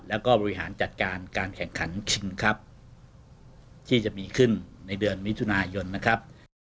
แล้วก็บริหารจัดการการแข่งขันคิงครับที่จะมีขึ้นในเดือนมิถุนายนนะครับ